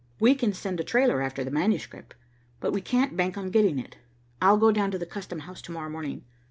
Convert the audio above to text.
"We can send a trailer after the manuscript, but we can't bank on getting it. I'll go down to the custom house to morrow morning.